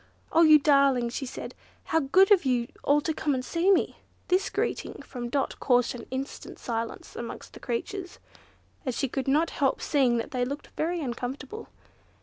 "Oh! you darlings!" she said, "how good of you all to come and see me!" This greeting from Dot caused an instant silence amongst the creatures, and she could not help seeing that they looked very uncomfortable.